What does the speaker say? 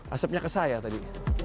asapnya ke saya tadi